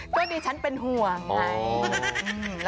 ก็ดิฉันเป็นห่วงไง